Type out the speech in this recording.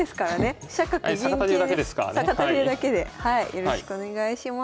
よろしくお願いします。